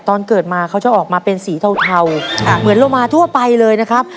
ตอนเกิดมาเขาจะออกมาเป็นสีเทาเหมือนโลมาทั่วไปเลยนะครับ